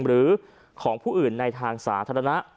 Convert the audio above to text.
หรือของผู้อื่นในทางสาธารณะ